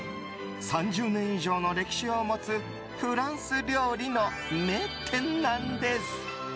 ３０年以上の歴史を持つフランス料理の名店なんです。